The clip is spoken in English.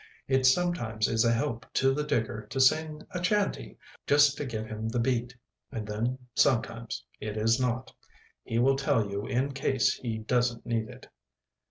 It sometimes is a help to the digger to sing a chanty, just to give him the beat. And then sometimes it is not. He will tell you in case he doesn't need it.